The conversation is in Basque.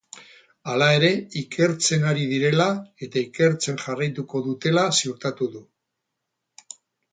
Hala ere, ikertzen ari direla eta ikertzen jarraituko dutela ziurtatu du.